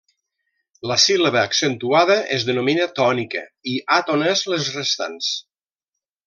La síl·laba accentuada es denomina tònica, i àtones les restants.